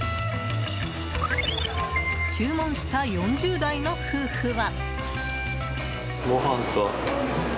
注文した４０代の夫婦は。